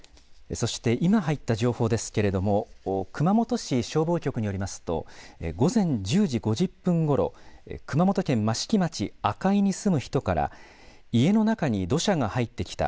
そして今入った情報ですけれども熊本市消防局によりますと午前１０時５０分ごろ、熊本県益城町赤井に住む人から家の中に土砂が入ってきた。